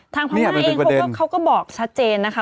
ทางธรรมนาเองเขาก็บอกชัดเจนนะคะ